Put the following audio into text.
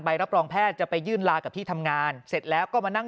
รับรองแพทย์จะไปยื่นลากับที่ทำงานเสร็จแล้วก็มานั่ง